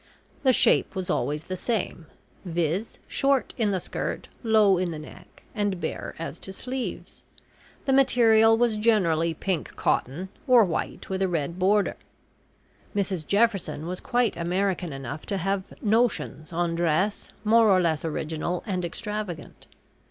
The shape was always the same viz., short in the skirt, low in the neck, and bare as to sleeves. The material was generally pink cotton, or white with a red border. Mrs Jefferson was quite American enough to have "notions" on dress, more or less original and extravagant.